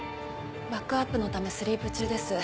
バックアップのためスリープ中です。